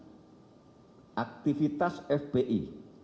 dan akan menghentikan aktivitas fpi